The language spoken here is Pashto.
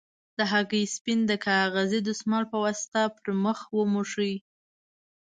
د هګۍ سپین د کاغذي دستمال په واسطه پر مخ وموښئ.